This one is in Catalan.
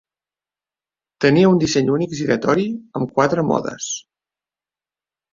Tenia un disseny únic giratori amb quatre "modes".